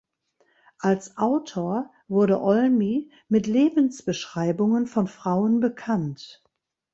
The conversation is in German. Als Autor wurde Olmi mit Lebensbeschreibungen von Frauen bekannt.